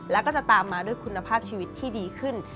แล้วก็จะตามมาด้วยคุณภาพชีวิตที่ดีขึ้น